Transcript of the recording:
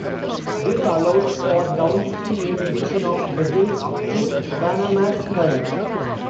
This allows for downstream navigation of vessels up to Panamax kind.